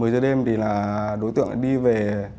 một mươi giờ đêm thì là đối tượng đi về